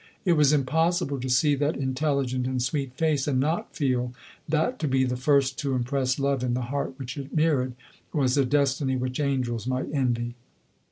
It was impossible to see that intelligent and sweet face, and not feel that to be the first to impress love in the heart which it mirrored, was a destiny which angels might envy.